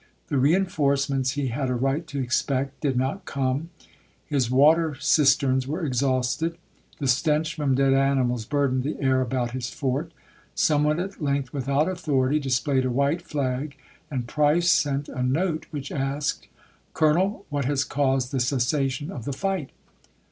The reenforce ments he had a right to expect did not come, his water cisterns were exhausted, the stench from dead animals burdened the air about his fort. Some one at length, without authority, displayed a white flag, and Price sent a note which asked, "Colonel, what has caused the cessation of the fight?"